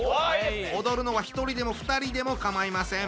踊るのは１人でも２人でも構いません。